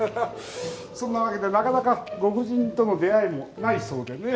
そんなわけでなかなかご婦人との出会いもないそうでね。